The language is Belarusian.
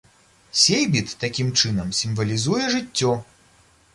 Сейбіт, такім чынам, сімвалізуе жыццё.